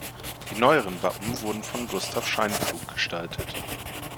Die neueren Wappen wurden von Gustav Scheinpflug gestaltet.